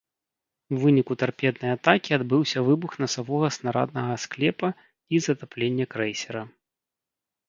У выніку тарпеднай атакі адбыўся выбух насавога снараднага склепа і затапленне крэйсера.